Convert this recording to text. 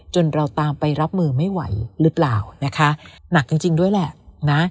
เราตามไปรับมือไม่ไหวหรือเปล่านะคะหนักจริงจริงด้วยแหละนะ